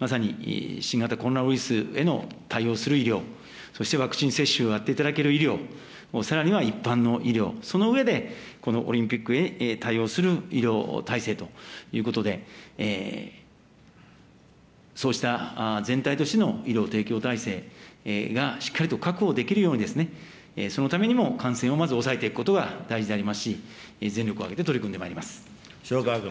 まさに新型コロナウイルスへの対応する医療、そしてワクチン接種をやっていただける医療、さらには一般の医療、その上で、このオリンピックへ対応する医療体制ということで、そうした全体としての医療提供体制がしっかりと確保できるように、そのためにも感染をまず抑えていくことが大事でありますし、全力塩川君。